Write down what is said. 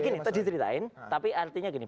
gini tadi diceritain tapi artinya gini